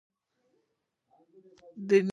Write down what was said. د نیول شوي تصمیم اجرا کول.